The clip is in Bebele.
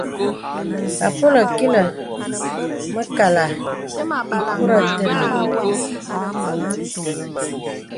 Àpolə̀ kilə̀ mə̀kàlà ìkurə̀ tenə̀.